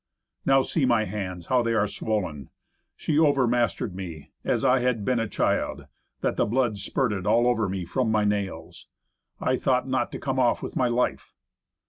"Now see my hands, how they are swollen. She overmastered me, as I had been a child, that the blood spurted all over me from my nails. I thought not to come off with my life."